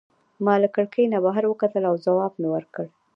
ما له کړکۍ نه بهر وکتل او ځواب مي ورکړ.